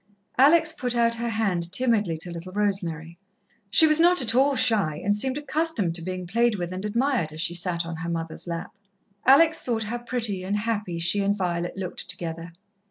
Alex put out her hand timidly to little Rosemary. She was not at all shy, and seemed accustomed to being played with and admired, as she sat on her mother's lap. Alex thought how pretty and happy she and Violet looked together.